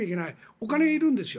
お金がいるんですよ。